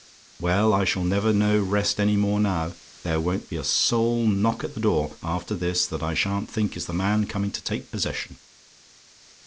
"Well, I shall never know rest any more now. There won't be a soul knock at the door after this that I sha'n't think it's the man coming to take possession.